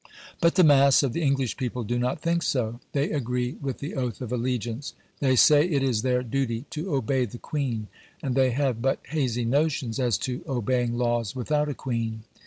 But the mass of the English people do not think so; they agree with the oath of allegiance; they say it is their duty to obey the "Queen," and they have but hazy notions as to obeying laws without a queen.